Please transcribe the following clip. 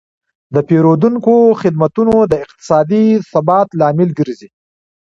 د پیرودونکو خدمتونه د اقتصادي ثبات لامل ګرځي.